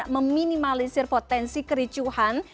meminimalisir potensi kericuhan